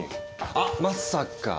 あまさか。